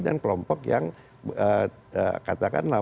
dan kelompok yang katakanlah